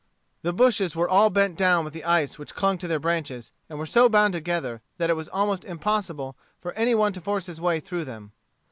The bushes were all bent down with the ice which clung to their branches, and were so bound together that it was almost impossible for any one to force his way through them.